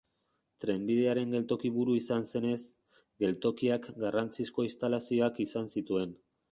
Trenbidearen geltoki-buru izan zenez, geltokiak garrantzizko instalazioak izan zituen.